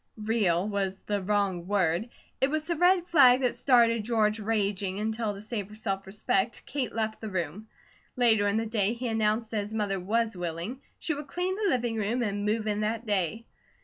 "Real," was the wrong word. It was the red rag that started George raging, until to save her self respect, Kate left the room. Later in the day he announced that his mother was willing, she would clean the living room and move in that day.